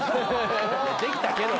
できたけど。